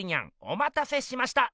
おまたせしました！